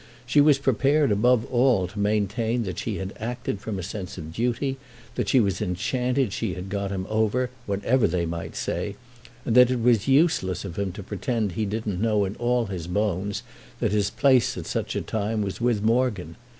She was prepared above all to maintain that she had acted from a sense of duty, that she was enchanted she had got him over, whatever they might say, and that it was useless of him to pretend he didn't know in all his bones that his place at such a time was with Morgan.